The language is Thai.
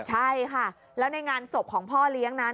ใช่ค่ะแล้วในงานศพของพ่อเลี้ยงนั้น